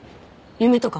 夢とか？